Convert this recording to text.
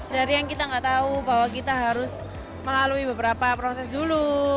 dari yang kita nggak tahu bahwa kita harus melalui beberapa proses dulu